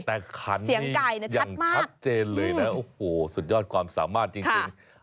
แต่คันนี้ยังชัดเจนเลยนะสุดยอดความสามารถจริง